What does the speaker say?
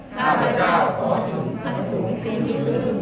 ข้าพเจ้าขอถึงพระสงฆ์เป็นที่ลื้ม